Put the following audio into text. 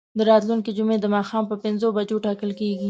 دا راتلونکې جمعه د ماښام په پنځو بجو ټاکل کیږي.